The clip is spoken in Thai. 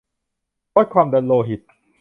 วัดความดันโลหิต